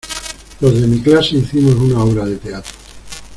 los de mi clase hicimos una obra de teatro.